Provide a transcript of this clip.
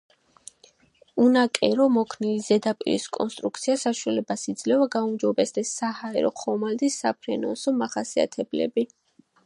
უნაკერო მოქნილი ზედაპირის კონსტრუქცია საშუალებას იძლევა გაუმჯობესდეს საჰაერო ხომალდის საფრენოსნო მახასიათებლები.